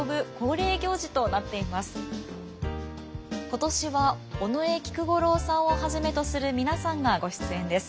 今年は尾上菊五郎さんをはじめとする皆さんがご出演です。